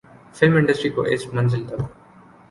film industry کو اس منزل تک